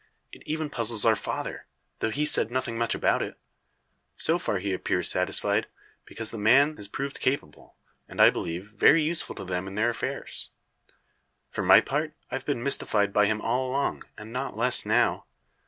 It even puzzles our father; though he's said nothing much about it. So far he appears satisfied, because the man has proved capable, and, I believe, very useful to them in their affairs. For my part I've been mystified by him all along, and not less now.